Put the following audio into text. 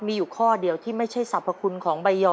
มีอยู่ข้อเดียวที่ไม่ใช่สรรพคุณของใบยอ